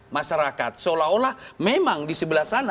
masyarakat seolah olah memang di sebelah sana